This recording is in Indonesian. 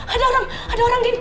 ada orang ada orang gitu